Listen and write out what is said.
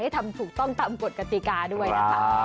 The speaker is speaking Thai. ทำถูกต้องตามกฎกติกาด้วยนะคะ